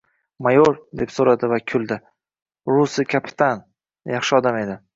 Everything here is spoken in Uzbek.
— Mayor? — deb so‘radi va kuldi. — Rusi kapitan? Yaxshi odam edi.